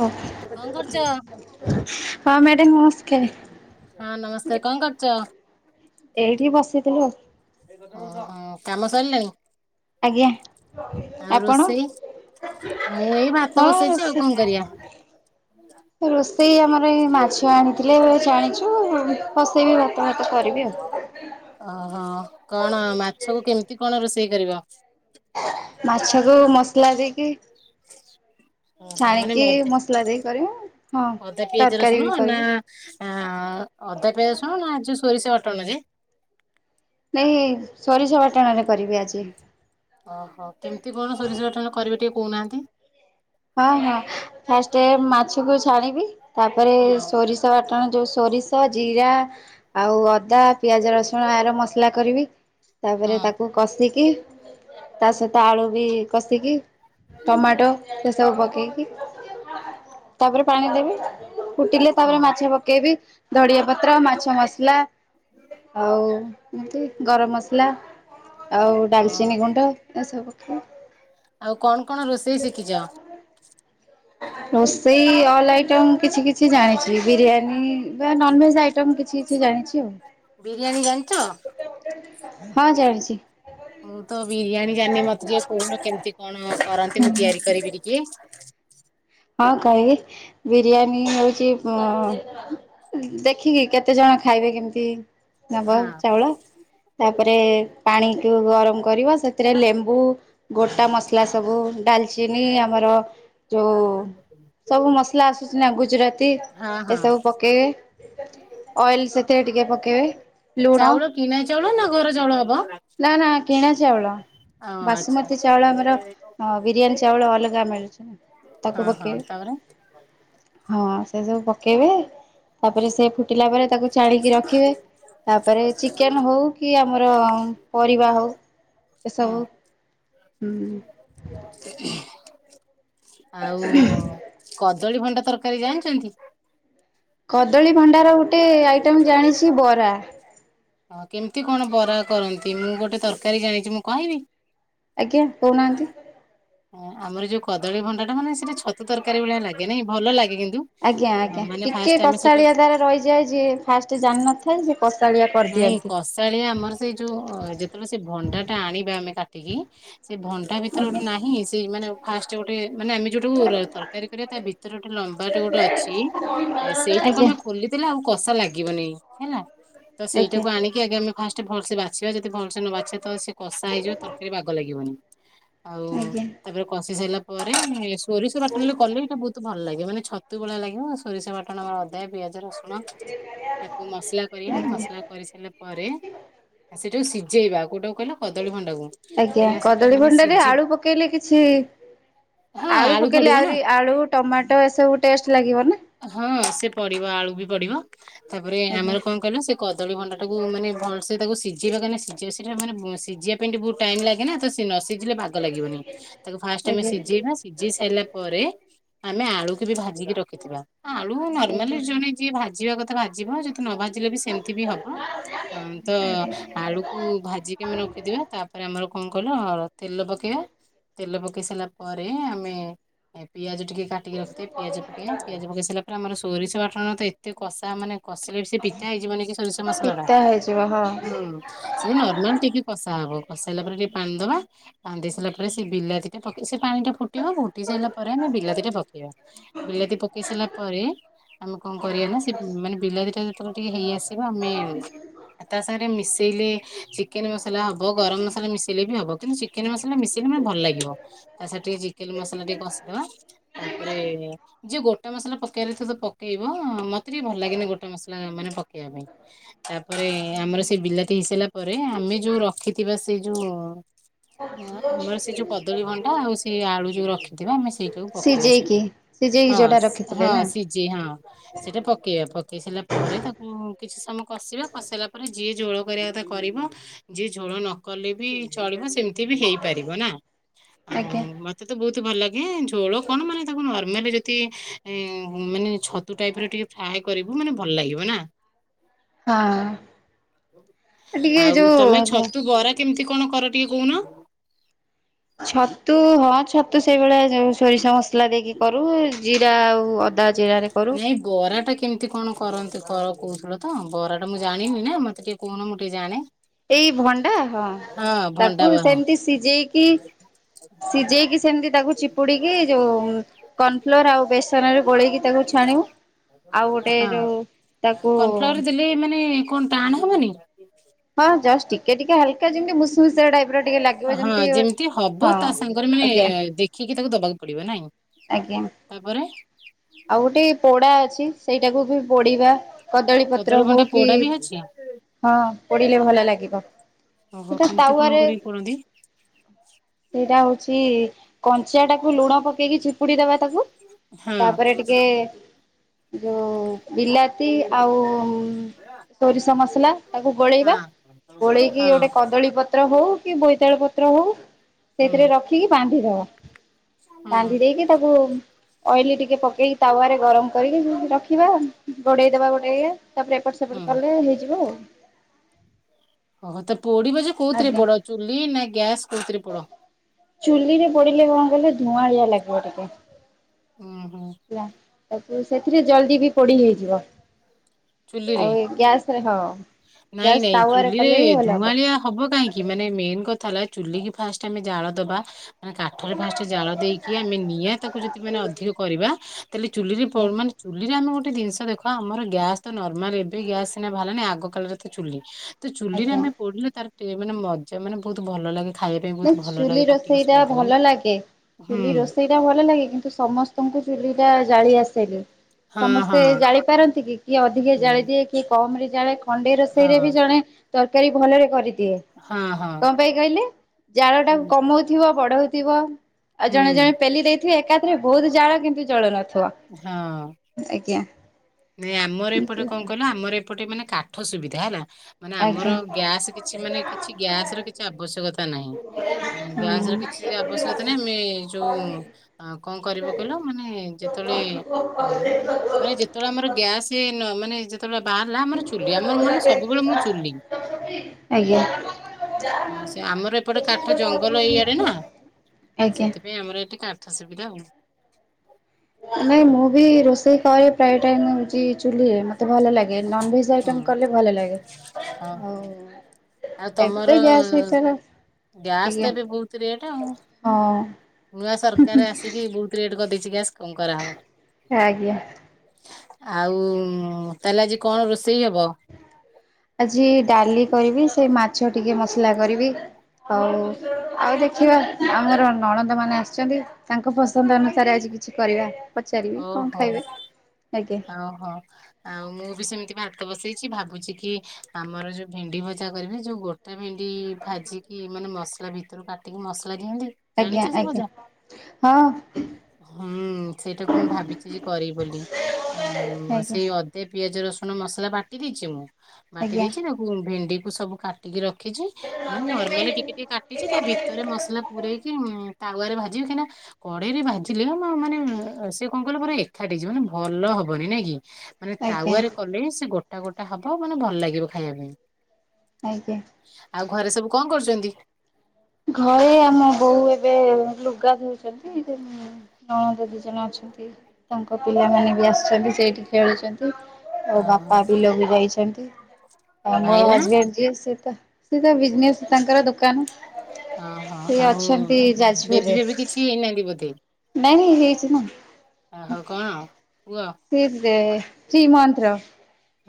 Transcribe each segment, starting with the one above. ହଁ କଣ କରୁଛ? ମ୍ୟାଡାାମ ନମସ୍କାର। ହଁ ନମସ୍କାର୍ କଣ କରୁଚ? ଏଇଠି ବସିଥି ଓ କାମ ସରିଲାଣି? ଆଜ୍ଞା ଆଉ ଆପଣ? ରୋଷେଇ ମୁଁ ଏଇ ଭାତ ହଁ ବସେଇଚି ଆଉ କଣ ରୋଷେଇ କରିବା। ରୋଷେଇ ଆମର ଏଇ ମାଛ ଆଣିଥିଲେ ଏ ଜାଣିଚୁ [unintelligible] ଓହୋ କଣ ମାଛକୁ କେମିତି କଣ ରୋଷେଇ କରିବ? ମାଛକୁ ମସଲା ଦେଇକି [inaudible] ଓହୋ ମାନେ ଛାଣିକି ମ ମସଲା ଦେଇ କରିବେ ହଁ ଅଦା ପିଆଜ ତରକାରୀ ରସୁଣ ବି ନା କରିବେ। ଅଧା ପ୍ୟାଜ୍ ରସୁଣ ନା ଯୋଉ ସୋରିଷ ବାଟଣ ଯେ? ନାଇ ସୋରିଷ ବାଟଣରେ କରିବି ଆଜି। ଓହୋ କେମିତି କଣ ସୋରିଷ ବାଟଣ କରିବେ ଟିକେ କହୁନାହାନ୍ତି? ହଁ ହଁ ଫାଷ୍ଟ ମାଛକୁ ଛାଣିବି ତାପରେ ହଁ ସୋରିଷ ବା ଟଣ ଯୋଉ ସୋରିଷ ଜିରା ଆଉ ଅଦା ପିଆଜ ରସୁଣ ଆର ମସଲା କରିବି ହଁ ତାପରେ ତାକୁ କଷିକି ତା ସହିତ ଆଳୁ ବି କଷି ହଁ ଟମାଟୋ ସେସବୁ ପକେଇକି ତାପରେ ପାଣି ଦେ ଫୁଟିଲେ ତାପରେ ହଁ ମାଛ ପକେଇବି ଧଡିଆ ପତ୍ର ମାଛ ମସଲା। ଆଉ ଏମତି ଗରମ ମସଲା ଆଉ ହଁ ଡାଲଚିନି ଗୁଣ୍ଡ ଏରା ସବୁ [unintelligible] ଆଉ କଣ କଣ ରୋଷେଇ ଶିଖିଚ? ରୋଷେଇ ଅଲ ଆଇଟମ୍ କିଛି କିଛି ଜାଣିଚି ବିରିୟାନୀ ବା ନନଭେଜ ଆଇଟମ୍ କିଛି କିଛି ଜାଣିଚି ଆଉ। ବିରିୟାନୀ ଜାଣିଚ? ହଁ ଜାଣିଚି। ହଉ ତ ବିରିୟାନୀ ଜାଣିନି ମତେ ଟିକେ ହୋହୁନ କେମିତି କଣ କରନ୍ତି, ମୁଁ ତିଆରି କରିବି ଟିକେ। ହଁ କହିବି ବିରିୟାନୀ ହୋଉଚି। ଦେଖିକି କେତେ ଜଣ ଖାଇବେ କେମିତି ନବ ହଁ ଚାଉଳ ତାପରେ ପାଣିକୁ ଗରମ କରିବ ସେଥିରେ ଲେମ୍ବୁ ଗୋଟା ମସଲା ସବୁ ଡାଲଚିନି ଆମର ଯୋଉ ସବୁ ମସଲା ଆସୁଚି ନା ଗୁଜୁରାତି ହଁ ହଁ ଏସବୁ ପକେଇବେ ଅଏଲ୍ ସେଥିରେ ଟିକେ ପକେଇବେ ଲୁଣ ଚାଉଳ କିଣା ଚାଉଳ ନା ଘର ଚାଉଳ ହବ ନା ନା କିଣା ଚାଉଳ। ଓ ଆଚ୍ଛା ବାସୁମତୀ ଚାଉଳ ଆମର ବିରିୟାନୀ ଚାଉଳ ଅଲଗା ମିଳୁଚି। ହଁ ହଁ ତାପରେ ହଁ ସେ ସବୁ ପକେଇବେ ତାପରେ ସେ ଫୁଟିଲା ପରେ ତାକୁ ଚାଣିକି ରଖିବେ ତାପରେ ଚିକେନ ହଉ କି ଆ ଆମର ପରିବା ହଉ ଏସବୁ ହଁ ହୁଁ ଆଉ-ଉ-ଉ-ଉ କଦଳୀ ଭଣ୍ଡା ତରକାରୀ ଜାଣିଛନ୍ତି? କଦଳୀ ଭଣ୍ଡାର ଗୋଟେ ଆଇଟମ ଜାଣିଛି ବରା। ହଁ କେମିତି କଣ ବରା କରନ୍ତି ମୁଁ। ଗୋଟେ ତରକାରୀ ଜାଣିଛି ମୁଁ କହିବି? ଆଜ୍ଞା କହୁନାହାନ୍ତି। ଆମର ଯୋଉ କଦଳୀ ଭଣ୍ଡା ମାନେ ସେଇଟା ଛ ଛତୁ ତରକାରୀ ଭଳିଆ ଲାଗେ ନାଇଁ ଭଲ ଲାଗେ କିନ୍ତୁ ଆଜ୍ଞା ଆଜ୍ଞା ମାନେ ଟିକେ ଫାଷ୍ଟ ଆମେ ସେଟା କଷାଳିଆ ତାର ରହିଯାଏ ଯିଏ ଫାଷ୍ଟ ଜାଣିନଥାଏ ସେ କଷାଳିଆ ନାଇଁ କରିଦିଅନ୍ତି କଷାଳିଆ ଆମର ସେଇ ଯୋଉ ଯେତେବେଳେ ସେ ଭଣ୍ଡା ଟା ଆଣି ବେ କାଟିକି ସେ ଭଣ୍ଡା ଭିତରେ ଆଜ୍ଞା ଗୋଟେ ନା ଳି ମାନେ ଫାଷ୍ଟ ଗୋଟେ ମାନେ ଆମେ ଯୋଉଠାକୁ ତରକାରୀ କରିବା ତା ଭିତରେ ଗୋଟେ ଲମ୍ବାଟେ ଗୋଟେ ଅଛି ସେଇଟାକୁ ଆଜ୍ଞା ଆମେ ଖୋଲିଦେଲେ ଆଉ କଷା ଲାଗିବନି ହେଲା ତ ଆଜ୍ଞା ସେଇଟାକୁ ଆଣିକି ଆଗେ ଆମେ ଫାଷ୍ଟ ଭଲସେ ବାଛିବା ଯଦି ଭଲସେ ନ ବାଛିବା ତ ସେ କଷା ହେଇଯିବ ତରକାରୀ ବାଗ ଲାଗିବନି। ଆଉ ଆଜ୍ଞା ତାପରେ କଷି ସାରିଲା ପରେ ଏ ସୋରିଷ ବାଟିଲେ କଲେ ଏଇଟା ବହୁତ ଭଲ ଭଲ ଲାଗେ ମାନେ ଛତୁ ଭଳିଆ ଲାଗିବ ସୋରିଷ ବାଟଣ, ଅଦା, ପିଆଜ ରସୁଣ ତାକୁ ମସଲା କରିବା ଆଜ୍ଞା ମସଲା କରିସାରିଲା ପରେ ସି ଯୋଉଁ ସିଝେଇବା କୋଉଟା କହିଲ କଦଳୀ ଭଣ୍ଡାକୁ କାହିଁକିନା ସେଟା ମାନେ ସିଝି ଜି-ଇ -ଇ ହଁ ଆଳୁ ପକେଇଲେ ପଡିବ ନା ଆହୁରି ଆଳୁ ଟମାଟୋ ଏସବୁ ଟେଷ୍ଟ ଲାଗିବ ନା ହଁ ସେ ପଡିବ ଆଳୁ ବି ପଡିବ ତାପରେ ଆମର ଆଜ୍ଞା। କଣ କହିଲ ସେ କଦଳୀ ଭଣ୍ଡାଟାକୁ ମାନେ ଭଲସେ ତାକୁ ସିଝେଇବ କହିଁକି ନା ସେ ସିଝ ସେଟା ମାନେ ସିଝିବା ପାଇଁ ବହୁତ ଟାଇମ ଲାଗେ ନା ତ ନସି ଝିଲେ ବାଗ ଲାଗିବନି। ତାକୁ ଫାଷ୍ଟ ଆମେ ଆଜ୍ଞା ସିଜେଇବା। ସିଜେଇସାରିଲା ପରେ ଆମେ ଆଳୁ କୁ ବି ଭାଜିକି ରଖ କେତେ ଟଙ୍କା ଆଳୁ ଆଜ୍ଞା ନର୍ମାଲି ଜଣେ ଯିଏ ଭାଜିବା କଥା ଭାଜିବ ଯଦି ନ ଭାଜିଲେ ବି ସେମିତି ବି ହବ। ହଁ ତ-ଅ-ଅ ଆଜ୍ଞା ଆଳୁକୁ ଭାଜିକି ଆମେ ରଖିଦବା ତାପରେ ଆମର କଣ କହିଲ ତେଲ ପକେଇବା ତେଲ ପକେଇ ସାରିଲା ପରେ ଆମେ ପିଆଜ ଟିକେ କାଟିକି ରଖିଥିବା ପିଆଜ ପକେଇବା ପିଆଜ ପକେଇ ସାରିଲା ପରେ ଆମ ସୋରିଷ ବାଟଣ ତ ଏତେ କଷା ମାନେ କଷିଲେ ବି ସେ ପିତା ହେଇଯିବନି କି ସୋରିଷ ମସଲା ଟା ପିତା ହେଇଯିବ ହଁ ସେ ନର୍ମାଲ ଟିକେ କଷା ହେବ। କସାଇଲା ପରେ ଟିକେ ପାଣି ଦବା ପାଣି ଦେଇ ସାରିଲା ପରେ ସେ ବିଲାତି ଟା ପକେଇ ସେ ପାଣି ଟା ଫୁଟିବ ଫୁଟି ସାରିଲା ପରେ ଆମେ ବିଲାତି ଟା ପକେଇବା ବିଲାତି ପକେଇ ସାରିଲା ପରେ ଆମେ କଣ କରିବା ନା ସେ ମାନେ ବିଲାତି ଟା ଯେତେବେଳେ ଟିକେ ହେଇ ଆସିବ ଆମେ ତା ସାଙ୍ଗରେ ମିଶେଇଲେ ଚିକେନ ମସ ମସଲା ହବ ଗରମ ମସଲା ମିଶିଇଲେ ବି ହବ କିନ୍ତୁ ଚିକେନ ମସଲା ମିଶିଲଲେ ମାନେ ଭଲ ଲାଗିବ ତା ସେଠି ଚିକେନ ମସଲା ଦେଇ କଷି ଦେବା ତାପରେ ଯ ଗୋ ଟା ମସଲା ପକେଇବାରଥିବ ପକେଇବ ମତେ ଟିକେ ଭଲ ଲାଗେନି ଗୋଟେ ମସଲା ମାନେ ପକେଇବା ପାଇଁ। ତାପରେ ଆମର ସେ ବିଲାତି ହେଇସାରିଲା ପରେ ଆମେ ଯୋଉ ରଖିଥିବା ସେ ଯୋଉ-ଉ-ଉ ଆମର ସେ ଯୋଉ କଦଳୀ ଭଣ୍ଡା ଆଉ ସେ ଆଳୁ ଯୋଉ ରଖିଥିବା ଆମେ ସେଇଟାକୁ ପକେଇବା ସେଠି ହଁ ସିଜେଇକି ଯୋଉଟା ରଖିଥି ହଁ ସିଝେଇ ହଁ ସେଟା ପକେଇବା ପକେଇ ସାରିଲା ପରେ ତାକୁ କିଛି ସମୟ କଷିବା କଷେଇ ସାରିଲା ପରେ ଯିଏ ଝୋଳ କରିବାଥା କରିବ ଯିଏ ଝୋଳ ନକଲେ ବି ଚଳି ବ ସେମିତି ବି ହେଇପାରିବ ନା। ଆଉ ଆଜ୍ଞା। ମତେ ତ ବହୁତ ଭଲ ଲାଗେ ଝୋଳ କଣ ମାନେ ତାକୁ ନର୍ମାଲ ଯଦି ଏ-ଏ-ଏ ମାନେ ଛତୁ ଟାଇପରେ ଟିକେ ଫ୍ରାଏ କରିବୁ ମାନେ ଭଲ ଲାଗିବ ନା। ହଁ। ଟିକେ ଆଉ ଯୋଉ ତମେ ଛତୁ ବରା କେମିତି କଣ କର ଟିକେ କହୁନ। ଛତୁ ହଁ ଛତୁ ସେଇଭଳିଆ ଯୋଉ ସୋରିଷ ମସଲା ମସଲା ଦେଇକି କରୁ ଜିରା ଆଉ ଅଦା ଜିରାରେ କରୁ। କରନ୍ତୁ କର କହୁଥିଲୁ ତ ବରା ଟା ମୁଁ ଜାଣିନି ନା ମତେ ଟିକେ କହୁନ ମୁଁ ଟିକେ ଜାଣେ। ଏଇ ଭଣ୍ଡା ହଁ ଭଣ୍ଡା ତାକୁ ବରା ସେମିତି ସିଝେଇକି ସିଝେଇକି ସେମତି ତାକୁ ଚିପୁଡିକି ଯୋଉ କର୍ଣଫ୍ଲୋର ଆଉ ବେସନ ରେ ଗୋଳେଇକି ତାକୁ ଛାଣିବୁ। ଆଉ ଗୋଟେ ଯୋଉ ହଁ ତାକୁ କର୍ଣଫ୍ଲାୱାର ଦେଲେ ମାନେ କଣ ଟାଣ ହବନି। ହଁ ଜଷ୍ଟ ଟିକେ ଟିକେ ହାଲକା ଯେମିତି ମୁ ହଁ ଯେମିତି ହବ ତା ସାଙ୍ଗରେ ମାନେ ଆଜ୍ଞା ଦେଖିକି ତାକୁ ଦବାକୁ ପଡିବ ନାଇଁ। ଆଜ୍ଞା। ତାପରେ ଆଉ ଗୋଟେ ପୋଡା ଅଛି ସେଇଟାକୁ ବି ପୋଡିବା କଦଳୀ ପତ୍ର ହଉ ଭଣ୍ଡା କି ପୋଡା ବି ଅଛି ହଁ ପୋଡ଼ିଲେ ଭଲ ଲାଗିବ। ଓହୋ ସେଟା କେମିତି ତାୱା କଣ ରେ କରିକି ପୋଡନ୍ତି ସେଇଟା ହଉଛି କଞ୍ଚା ଟାକୁ ଲୁଣ ପକେଇକି ଚିପୁଡି ଦବା ତାକୁ ହଁ ତାପରେ ଟିକେ ହଁ ଯୋଉ ବିଲାତି ଆଉ ସୋରିଷ ମସଲା ତାକୁ ଗୋଳେଇବା ଗୋଳେଇକି ହଁ ଗୋଟେ କଦଳୀ ପତ୍ର ହଉ କି ବୋଇତାଳ ପତ୍ର ହଉ ହୁଁ ସେଇଥିରେ ରଖିକି ବାନ୍ଧିଦବା। ହୁଁ ବାନ୍ଧି ଦେଇକି ତାକୁ ଅଏଲି ଟିକେ ପକେଇକି ତାୱରେ ଗରମ କରିକି ରଖିବା ଘୋଡେଇ ଦବା ଗୋଟେ ଇଏ ତାପରେ ଏପଟ ସେପଟ ହୁଁ କଲେ ହେଇଯିବ ଆଉ। ତ ପୋଡିବ ଯେ କୋଉଥିରେ ଆଜ୍ଞା ପଡ ଚୁଲି ନା ଗ୍ୟାସ କୋଉଥିରେ ପୋଡ? ଚୁଲିରେ ପୋଡିଲେ କଣ କହିଲ ଧୂଆଁଳିଆ ଲାଗିବ ଟିକେ ଉୁଁ ହୁଁ ହେଲା। ତାପରେ ସେଥିରେ ଜଲଦି ବି ପୋଡି ହେଇଯିବ। ଚୁଲିରେ ଆଉ ଗ୍ୟାସରେ ହଁ ନାଇଁ ଗ୍ୟାସ ନାଇଁ ତାୱାରେ କଲେବି ଭଲ ହବ। କି ମାନେ ମେନ୍ କଥା ହେଲା ଚୁଲି କି ଫାଷ୍ଟ ଆମେ ଜାଳ ଦବା ମାନେ କାଠରେ ଫାଷ୍ଟ ଜାଳ ଦେଇକି ଆମେ ନିଆଁ ତାକୁ ଯଦି ମାନେ ଅଧିକ କରିବା ତାହେଲେ ଚୁଲିରେ ଆଜ୍ଞା ମାନେ ଚୁଲିରେ ଆମେ ଗୋଟେ ଜିନିଷ ଦେଖ ଆମର ଗ୍ୟାସ୍ ତ ନର୍ମାଲ ଏବେ ଗ୍ୟାସ ସିନା ବାହାରିଲାଣି ଆଗ କାଳରେ ତ ଚୁଲି ତ ଚୁଲିରେ ଆଜ୍ଞା ଆମେ ପଡିଲେ ତାର ଟିକେ ମାନେ ମଜା ମାନେ ବହୁତ ଭଲ ଲାଗେ। ଖାଇବା ପାଇଁ ନା ବହୁତ ଭଲ ଚୁଲି ଲାଗେ ପାଟିକି ରୋଷେଇ ଟା ସୁଆଦ ଭଲ ଲାଗେ। ହୁଁ ଚୁଲି ରୋଷେଇ ଟା ଭଲ ଲାଗେ କିନ୍ତୁ ସମସ୍ତଙ୍କୁ ଚୁଲି ଟା ଜାଳି ଆସେ ହଁ ହଁ ସମସ୍ତେ ଜାଳି ପାରନ୍ତି କି କିଏ ଅଧିକା ହୁଁ ଜାଳି ଦିଏ କିଏ କମ ରେ ଜାଳେ ଖଣ୍ଡେ ରୋଷେଇ ରେ ବି ହଁ ଜଣେ ତରକାରୀ ଭଲରେ କରିଦିଏ ହଁ ହଁ କଣ ପାଇଁ କହିଲେ? ଜାଳ ଟାକୁ ହୁଁ କମଉଥିବ ବଡ ହଉଥିବ ଆଉ ଜଣେ ଜଣେ ହୁଁ ପେଲି ଦେଇଥିବେ ଏକା ରେ ବହୁତ ଜାଳ କିନ୍ତୁ ଜଳୁନ ହଁ ଆମର ଏପଟେ କଣ କହିଲ ଆମର ଏପଟେ ମାନେ କାଠ ଠ ସୁବିଧା ହେଲା। ମାନେ ଆମର ଆଜ୍ଞା ଗ୍ୟାସ କିଛି ମାନେ କିଛି ଗ୍ୟାସ ର କିଛି ଆବଶ୍ୟକତା ନାହିଁ ଗ୍ୟାସ ହଁ କିଛି ଆବଶ୍ୟକତା ନାହିଁ ଆମେ ଯୋଉ କଣ କରିବୁ କହିଲ ମାନେ ଯେ ତେବେଳେ ମାନେ ଯେତେବେଳେ ଆମର ଗ୍ୟାସ ନ ମାନେ ଯେ ତେବେଳେ ବାହାରିଲା ଆମର ଚୁଲି ଆମର ମନେ ସବୁବେଳେ ମୁଁ ଚୁଲି ଆଜ୍ଞା। ସେ ଆମର ଏପଟେ କାଠ ଜଙ୍ଗଲ ଏଇଆଡେ ନା। ଆଜ୍ଞା। ସେଥିପାଇଁ ଆମର ଏଠି କାଠ ସୁବିଧା। ନାଇଁ ମୁଁ ବି ରୋଷେଇ କରେ ପ୍ରାୟ ଟାଇମ ହଉଛି ଚୁଲିରେ ମତେ ମତେ ଭଲ ଲାଗେ ନନଭେଜ ହଁ ଆଇଟମ୍ କଲେ ଭଲ ଲାଗେ ହଁ ଆଉ ହଁ ଏବ୍ ତ ଗ୍ୟାସ ହିଟର ଗ୍ୟାସ୍ ତ ଆଜ୍ଞା ଏବେ ବହୁତ ରେଟ୍ ଆଉ ହଁ ନୂଆ ସରକାର ଆସିକି ବହୁତ ରେଟ କରିଦେଇ ଛି ଗ୍ୟାସ୍ କଣ କରାହବ ଆଜ୍ଞା ଆଉ ତାହେଲେ ଆଜି କଣ ରୋଷେଇ ହବ? ଆଜି ଡାଲି କରିବି ସେଇ ମାଛ ଟିକେ ମସଲା କରିବି। ହଉ ଆଉ ଦେଖିବା ଆମର ନଣନ୍ଦ ମାନେ ଆସିଛନ୍ତି ତାଙ୍କ ପସନ୍ଦ ଅନୁସାରେ ଆଜି କିଛି କରିବା। ପଚାରିବି କଣ ଓହୋ ଖାଇବେ ଆଜ୍ଞା ଓହୋ ଆଉ ମୁଁ ବି ସେମିତି ବାହାର ଭାତ ବସେଇଛି ଭାବୁଛି କି ଆମର ଯୋଉ ଭେଣ୍ଡି ଭଜା କରିବି ଯୋଉ ଗୋଟା ଭେଣ୍ଡି କି-ଇ ଭାଜିକି ମାନେ, ମସଲା ଭିତରୁ କାଟିକି ମସ୍ କହିଲା କିଂତି ଆଜ୍ଞା ଜାଣିଛ ସେ ଆଜ୍ଞା ଭଜା! ହଁ ହୁଁ ସେଇଟା ମୁଁ ଭାବିଛି, ଯେ କରିବି ବୋଲି। ଏଁ ମ୍ ସେଇ ଅଦେ ପିଆଜ ରସୁ ମସଲା ବାଟି ଦେଇଛି ମୁଁ, ବାଟି ଆଜ୍ଞା ଦେଇଛି ତାକୁ ଭେଣ୍ଡିକୁୁ ସବୁ କାଟିକି ରଖ୍ ରଖିଛି। ମାନେ ନର୍ମାଲି ଟିକେ ଟିକେ କାଟିଛି, ତା ଭିତରେ ମସଲା ଆଜ୍ଞା ପୂରେଇକି ଉମ୍ ତାୱାରେ ଭାଜିବି ସେଟା, କଡେଇରେ ଭାଜିଲେ ବି ମୁଁ ମାନେ ସେ କଣ କହିଲ? ମୋର ଏକାଠି ହେଜିବ ମାନେ, ଭଲ ହବନି। ନାଇଁ କି! ମାନେ ଆଜ୍ଞା ତାୱରେ କଲେ ସେ ଗୋଟ୍ ଟା ଗୋଟା ହବ ମାନେ ଭଲ ଲାଗିବ ଖାଇବା ପାଇଁ। ଆଜ୍ଞା। ଆଉ ଘରେ ସବୁ କଣ କରୁଛନ୍ତି? ଘରେ ଆମ ବୋଉୂ ଏବେ ଲୁଗା ଧଉଛନ୍ତି। ନଣଦ ଦି ଜଣ ଅଛ ନ୍ତି। ତାଙ୍କ ପିଲାମାନେ ବି ଆସିଛନ୍ତି। ସେଇଠି ଖେଳୁଛନ୍ତି। ଅ ମୋ ବାପା ବିଲକୁ ଯାଇଛନ୍ତି। ଆଉ ମୋର ହଜବେଣ୍ଡ ଯିଏ, ସେ ତ ସିଏତା ବିଜନେସ୍ ତାଙ୍କର ଦୋକାନ। ଅ ହ, ସେ ଆଉ ଅଛନ୍ତି ଯାଜପୁରରେ। ବେବି ଫେବି କିଛି ହେଇନାହାଁନ୍ତି ବୋଧେ? ନାଇଁ ନାଇଁ ହେଇଛି ନା। ଓହୋ କଣ ପୁଅ ସେ ଯେ ଥ୍ରୀ ମଂଥର।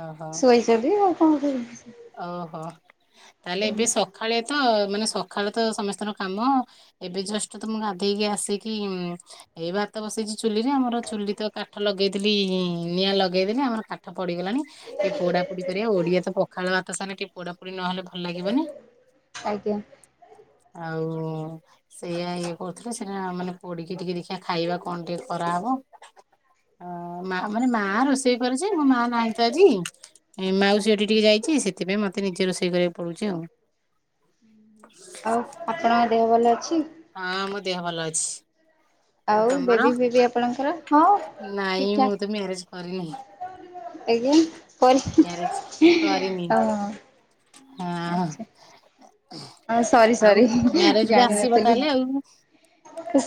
ଓହୋ ଶୋଇଚନ୍ତି, ଆଉ କଣ କରିବ? ଓହୋ! ତାହେଲେ ଏବେ ସଖାଳେ ତ ମାନେ ସକାଳେ ତ ସମସ୍ତଙ୍କର କାମ ଅ। ଏବେ ଜଷ୍ଟ ତ ମୁଁ ଗାଧେଇକି ଆସିକି, ଏଇ ବା ଭାତ ବସେଇଛିି ଚୁଲିରେ। ଆମର ଚୁଲି ତ କାଠ ଲଗେଇଦେଲି-ଇ, ନିଆଁ ଲଗେଇଦେଲି ଆମର କାଠ ପଡିଗଲାଣି। ଟିକେ ପୋଡା ପୋଡି କରିଆ, ଓଡିଆ ତ ପ ଖାଳ ଭାତ ସାଙ୍ଗେ ଟିକେ ପୋଡାପୋଡି ନହେଲେ ଭଲ ଲାଗିବନି। ଆଜ୍ଞା। ଆଉ-ଉଁ, ସେଇଆ ଇଏ କରୁଥିଲେ ସେଇଟା ମାନେ ପୋଡିକି ଟିକେ ଦେଖିବା ଖାଇବା କଣ ଟିକେ କରାହବ। ହଁ ଅଁ। ମାଁ ମାନେ, ମାଁ ରୋଷେଇ କରେ ଯେ ମୋ ମାଁ ନାହିଁ ତ ଆଜି। ମାଉସି ଘଠି ଟିକେ ଯାଇ ସେଥିପାଇଁ ମତେ ନିଜେ ରୋଷେଇ କରିବାକୁ ପଡୁଛି ଆଉ। ଆଉ, ଆପଣଙ୍କ ଦେହ ଭଲ ଅଛି? ହଁ, ମୋ ଦେହ ଭଲ ଅଛି। ଆଉ ବେବି ଫେବି ଆପଣଙ୍କର, ହଁ ନାଇଁ ଠିକ୍ ମୁଁ ତ ମ୍ୟାରେଜ କରିନି ଠାକ୍। ଆଜ୍ଞା। କଲ୍ ହଁ ମ୍ୟାରେଜ କରିନି ହଁ ଆଛା। ହଁ, ସରି ଆଉ ସରି ମ୍ୟାରେଜ କୁ ଆସିବ ଜାଣିନଥିଲି। ତାହେଲେ ଆଉ।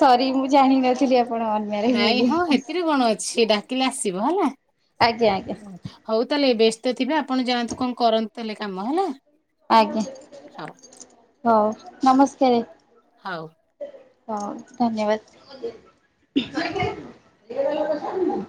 ସରି ମୁଁ ଜାଣିିନଥିଲି। ଆପ୍ ନାଇଁ ହଁ, ହେଥିରେ କଣ ଅଛି, ଏଟା। କିଲେ ଆସିବ ହେଲା। ଆଜ୍ଞା ଆଜ୍ଞା। ହଉ ତାହେଲେ ବ୍ୟସ୍ତ ଥିବେ, ଆପଣ ଯାଆନ୍ତୁ, କଣ କରନ୍ତୁ? ତାଲେ କାମ ହେଲା? ଆଜ୍ଞା, ହଉ ହଉ ନମସ୍କାରେ। ହଉ। ହଉ, ଧନ୍ୟବାଦ!